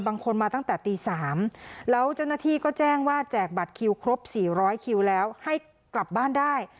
บางคนมาตั้งแต่ตี๓แล้วเจ้าหน้าที่ก็แจ้งว่าแจกบัตรคิวครบ๔๐๐คิวแล้วให้กลับบ้านได้